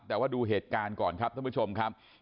แต่ว่าดูเหตุการณ์ก่อนครับท่านผู้ชมครับ